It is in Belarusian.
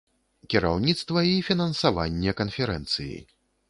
Кіраўніцтва і фінансаванне канферэнцыі.